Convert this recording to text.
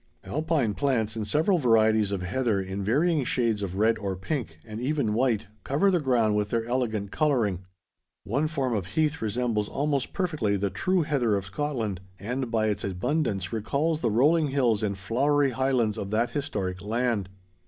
Alpine plants and several varieties of heather, in varying shades of red or pink and even white, cover the ground with their elegant coloring. One form of heath resembles almost perfectly the true heather of Scotland, and by its abundance recalls the rolling hills and flowery highlands of that historic land.